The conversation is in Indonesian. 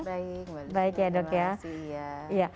baik baik ya dok ya